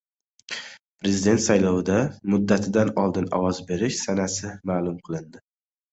Prezident saylovida muddatidan oldin ovoz berish sanasi ma’lum qilindi